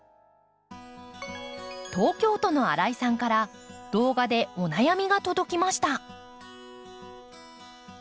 東京都の新井さんから動画でお悩みが届きました。